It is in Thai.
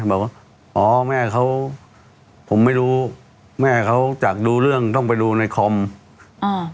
บอกว่าอ๋อแม่เขาผมไม่รู้แม่เขาจากดูเรื่องต้องไปดูในคอมอ่า